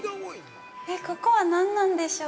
ここは何なんでしょう。